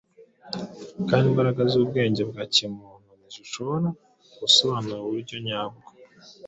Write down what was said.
kandi imbaraga z’ubwenge bwa kimuntu ntizishobora gusobanura uburyo nyabwo